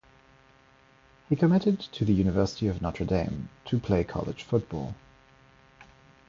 He committed to the University of Notre Dame to play college football.